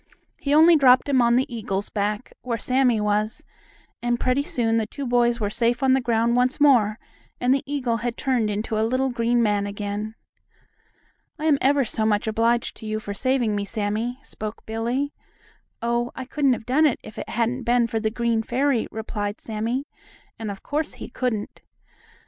He only dropped him on the eagle's back, where Sammie was, and pretty soon the two boys were safe on the ground once more, and the eagle had turned into a little green man again. "I'm ever so much obliged to you for saving me, Sammie," spoke Billie. "Oh, I couldn't have done it if it hadn't been for the green fairy," replied Sammie, and of course he couldn't.